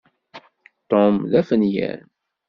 Tom d afenyan.